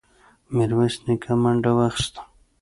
ميرويس نيکه منډه واخيسته.